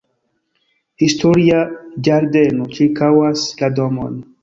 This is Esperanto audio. Historia ĝardeno ĉirkaŭas la domon.